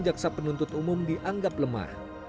jaksa penuntut umum dianggap lemah